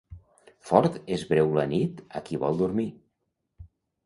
Fort és breu la nit a qui vol dormir.